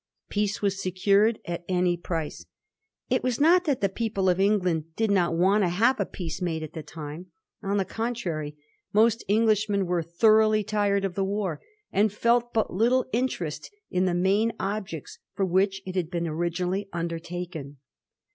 Peace was secured at any price. It was not that the people of England did not want to have a peace made at the time. On the contrary, most Englishmen were thoroughly tired of the war, and felt but little interest in the main objects for which it had been originally undertaken.